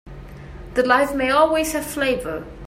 That life may always have flavor.